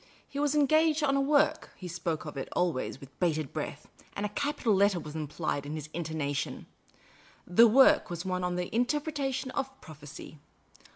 He was engaged on a Work — he spoke of it always with bated breath, and a capital letter was implied in his intona tion ; the Work was one on the Interpretation of Prophec}